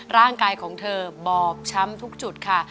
ร่างกายของเธอบอบช้ำทุกจุดค่ะ